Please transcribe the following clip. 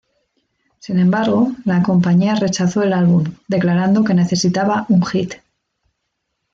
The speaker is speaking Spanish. Sin embargo, la compañía rechazó el álbum, declarando que necesitaba un hit.